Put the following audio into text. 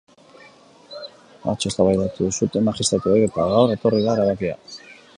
Atzo eztabaidatu zuten magistratuek, eta gaur etorri da erabakia.